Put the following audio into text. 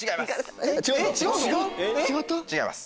違います。